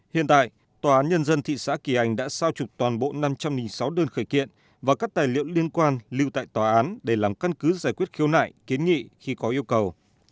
hiện tại tòa án nhân dân thị xã kỳ anh đã sao trục toàn bộ năm trăm linh sáu đơn khởi kiện và các tài liệu liên quan lưu tại tòa án để làm căn cứ giải quyết khiếu nại kiến nghị khi có yêu cầu